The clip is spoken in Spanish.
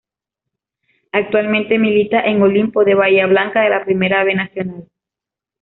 Actualmente milita en Olimpo de Bahía Blanca de la Primera B Nacional.